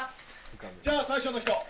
じゃあ最初の人。